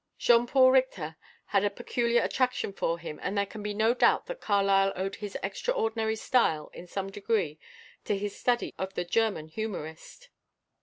Jean Paul Richter had a peculiar attraction for him, and there can be no doubt that Carlyle owed his extraordinary style, in some degree, to his study of the German humorist.